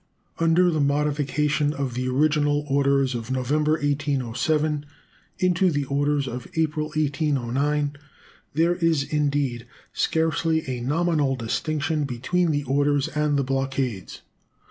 Under the modification of the original orders of November, 1807, into the orders of April, 1809, there is, indeed, scarcely a nominal distinction between the orders and the blockades.